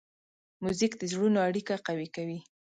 موزیک د زړونو اړیکه قوي کوي.